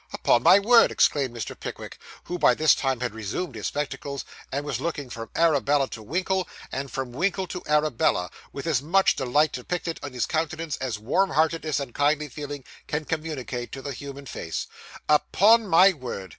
Upon my word,' exclaimed Mr. Pickwick, who by this time had resumed his spectacles, and was looking from Arabella to Winkle, and from Winkle to Arabella, with as much delight depicted in his countenance as warmheartedness and kindly feeling can communicate to the human face 'upon my word!